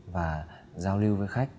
và giao lưu với khách